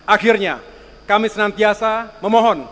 akhirnya kami senantiasa memohon